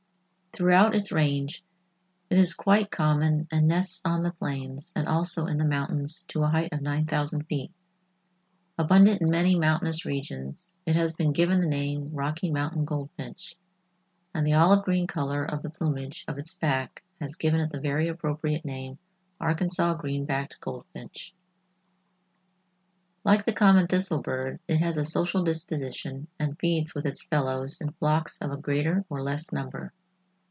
Throughout its range it is quite common and nests on the plains and also in the mountains to a height of nine thousand feet. Abundant in many mountainous regions, it has been given the name Rocky Mountain Goldfinch, and the olive green color of the plumage of its back has given it the very appropriate name Arkansas Green backed Goldfinch. Like the common thistle bird, it has a social disposition and feeds with its fellows in flocks of a greater or less number.